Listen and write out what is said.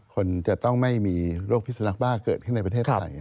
คนจะต้องไม่มีโรคพิสุนักบ้าเกิดขึ้นในประเทศไทย